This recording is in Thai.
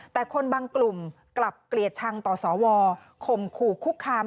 แต่คนบางกลุ่มกลับเกลียดชังต่อสวข่มขู่คุกคาม